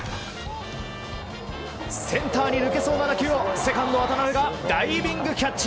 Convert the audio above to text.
センターに抜けそうな打球をセカンド渡邊がダイビングキャッチ。